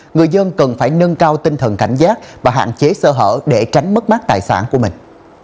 người dân cần phải nâng cao tinh thần cảnh giác và hạn chế sơ hở để tránh mất mát tài sản của mình